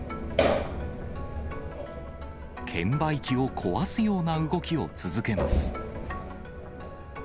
券売機を壊すような動きを続けます。